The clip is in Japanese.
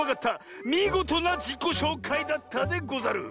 みごとなじこしょうかいだったでござる！